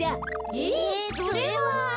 えそれは。